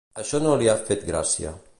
Això ja no li ha fet gràcia.